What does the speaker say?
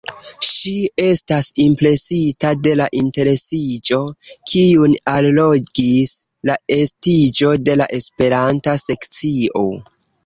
Ŝi estas impresita de la interesiĝo, kiun allogis la estiĝo de la Esperanta sekcio.